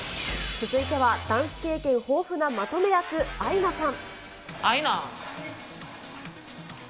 続いてはダンス経験豊富なまとめ役、アイナさん。